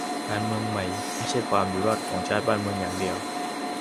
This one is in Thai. การเมืองใหม่ไม่ใช่ความอยู่รอดของชาติบ้านเมืองอย่างเดียว